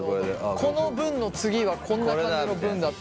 この文の次はこんな感じの文だ。